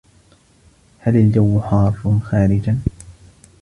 هل الجو حار خارجا؟